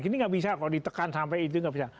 ini nggak bisa kalau ditekan sampai itu nggak bisa